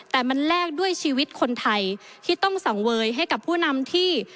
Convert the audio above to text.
แต่มันแลกด้วยชีวิตคนไทยที่ต้องสังเวยให้กับผู้นำที่